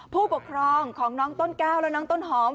ผู้ปกครองของน้องต้นก้าวและน้องต้นหอม